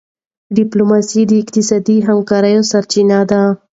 ډيپلوماسي د اقتصادي همکارۍ سرچینه ده.